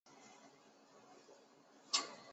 本作品是银魂首部电影化的作品。